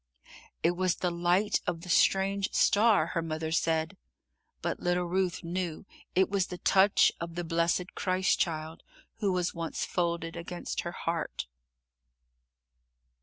"It was the light of the strange star," her mother said, but little Ruth knew it was the touch of the blessed Christ Child, who was once folded against her heart.